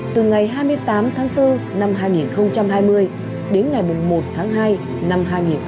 từ ngày hai mươi tám tháng bốn năm hai nghìn hai mươi đến ngày một tháng hai năm hai nghìn hai mươi một